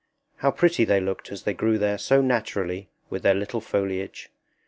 How pretty they looked as they grew there so naturally with their little foliage!